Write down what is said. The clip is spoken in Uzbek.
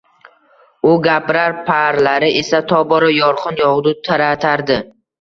U gapirar, parlari esa tobora yorqin yog‘du taratardi;